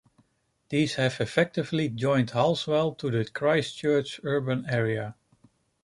These have effectively joined Halswell to the Christchurch urban area.